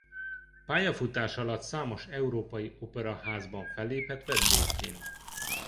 Pályafutása alatt számos európai operaházban fellépett vendégként.